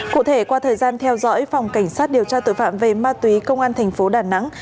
cụ thể qua thời gian theo dõi phòng cảnh sát điều tra tội phạm về ma túy công an thành phố đà nẵng